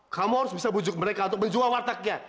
kamu harus bisa bujuk mereka untuk menjual wartegnya